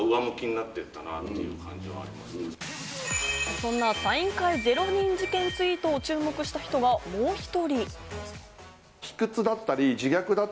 そんなサイン会０人事件ツイートに注目した人がもう１人。